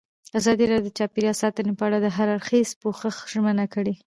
ازادي راډیو د چاپیریال ساتنه په اړه د هر اړخیز پوښښ ژمنه کړې.